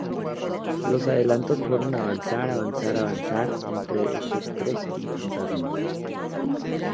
Los adelantos fueron Avanzar.Avanzar.Avanzar y Entre espectros y fantasmas.